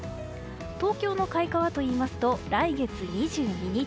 東京の開花はといいますと来月２２日。